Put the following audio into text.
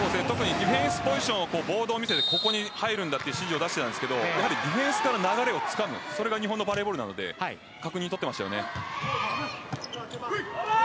ディフェンスポジションここに入るんだという指示を出していたんですがディフェンスから流れをつかむそれが日本のバレーボールなので確認を取っていましたよね。